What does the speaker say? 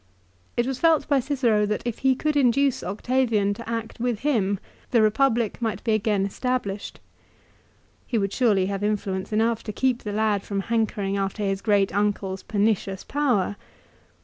It was felt by Cicero that if he could induce Octavian to act with him the Republic might be again established. He would surely have influence enough to keep the lad from hankering' after his great uncle's pernicious power.